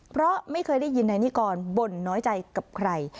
เพราะไม่เคยได้ยินนายนิกรบ่นน้อยใจกับใคร